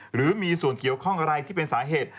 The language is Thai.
หรือมีส่วนเกี่ยวข้องอะไรที่เป็นสาเหตุ